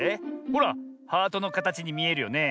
ほらハートのかたちにみえるよね。